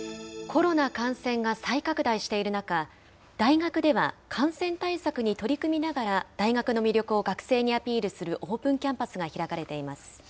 コロナ感染が再拡大している中、大学では感染対策に取り組みながら大学の魅力を学生にアピールする、オープンキャンパスが開かれています。